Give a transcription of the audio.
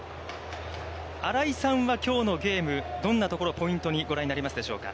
新井さんはきょうのゲーム、どんなところをポイントにご覧になりますでしょうか。